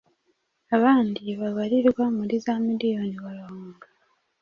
abandi babarirwa muri za miliyoni barahunga.